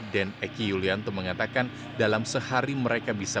dan eki yulianto mengatakan dalam sehari mereka bisa